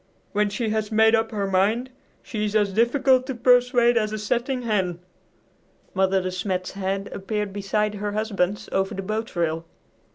When she has made up her mind she is as difficult to persuade as a setting hen." Mother De Smet's head appeared beside her husband's over the boat rail.